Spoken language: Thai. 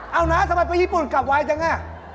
เอานะทำไมไปญี่ปุ่นกลับไวจังอ่ะ